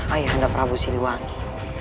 ayah anda prabu siliwangi